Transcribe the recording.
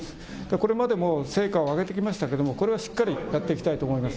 これまでにも成果を上げてきましたけれども、これからもしっかりやっていきたいと思います。